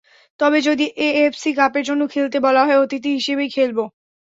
তবে যদি এএফসি কাপের জন্য খেলতে বলা হয়, অতিথি হিসেবেই খেলব।